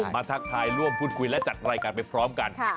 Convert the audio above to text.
ทักทายร่วมพูดคุยและจัดรายการไปพร้อมกัน